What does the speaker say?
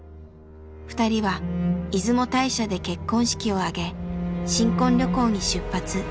２人は出雲大社で結婚式を挙げ新婚旅行に出発。